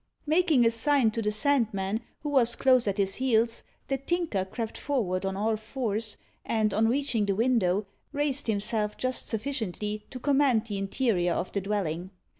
Making a sign to the Sandman, who was close at his heels, the Tinker crept forward on all fours, and, on reaching the window, raised himself just sufficiently to command the interior of the dwelling.